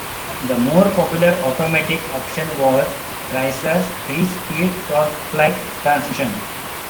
The more popular automatic option was Chrysler's three-speed Torqueflite transmission.